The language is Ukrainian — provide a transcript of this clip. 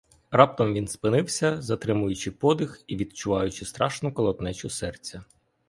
Раптом він спинився, затримуючи подих і відчуваючи страшну колотнечу серця.